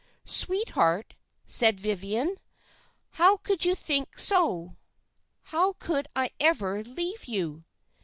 "'Sweetheart,' said Viviane, 'how could you think so? How could I ever leave you?'